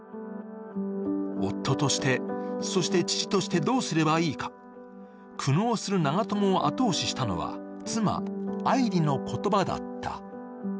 夫として、そして父としてどうすればいいか苦悩する長友を後押ししたのは妻・愛梨の言葉だった。